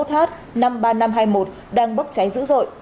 năm mươi một h năm mươi ba nghìn năm trăm hai mươi một đang bốc cháy dữ dội